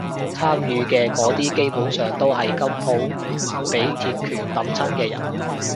參與嘅嗰啲基本上都係今鋪畀鐵拳揼親嘅人